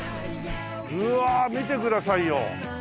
うわ見てくださいよ。